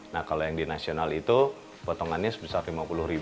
nah kalau yang di nasional itu potongannya sebesar rp lima puluh